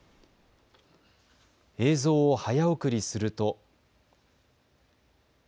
映像を早送りすると。